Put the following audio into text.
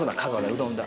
うどんだ。